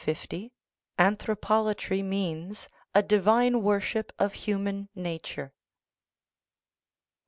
646 50. (Anthropolatry means * A divine worship of human nature.")